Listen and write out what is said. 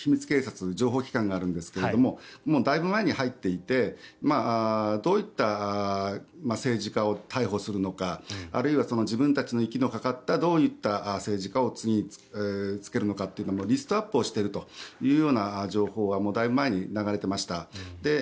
警察情報機関があるんですがだいぶ前に入っていてどういった政治家を逮捕するのかあるいは自分たちの息のかかったどういった政治家を次に就けるのかっていうのもリストアップしているような情報がだいぶ前に流れていました。